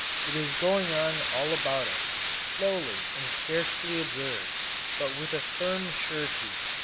It is going on all about us, slowly and scarcely observed, but with a firm surety.